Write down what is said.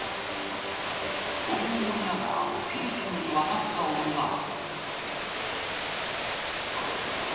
そう思いながら、フィリピンに渡った女は。